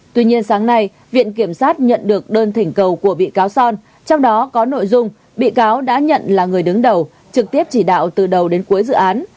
tuy nhiên sáng nay viện kiểm sát nhận được đơn thỉnh cầu của bị cáo son trong đó có nội dung bị cáo đã nhận là người đứng đầu trực tiếp chỉ đạo từ đầu đến cuối dự án